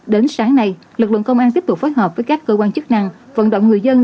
đến sáng nay lực lượng công an tiếp tục phối hợp với các cơ quan chức năng vận động người dân